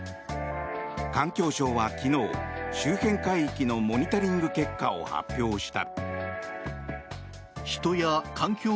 環境省は昨日周辺海域のモニタリング結果を発表した。